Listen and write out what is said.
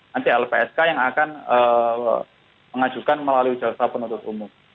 nanti lpsk yang akan mengajukan melalui jasa penutup umum